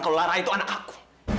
kalau lara itu anak aku